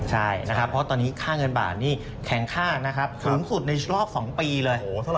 ใช่เพราะตอนนี้ค่าเงินบาทแข่งค่าสูงสุดในรอบ๒ปีเลย